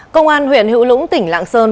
công an huyện hữu lũng tỉnh lạng sơn